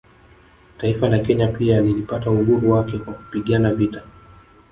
Taifa la Kenya pia lilipata uhuru wake kwa kupigana vita